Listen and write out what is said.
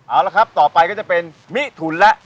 เอาละครับต่อไปก็จะเป็นมิถุนแล้ว